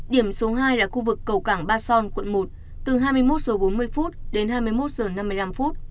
điểm số hai là khu vực cầu cảng ba son quận một từ hai mươi một h bốn mươi đến hai mươi một h năm mươi năm